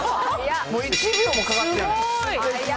１秒もかかってない。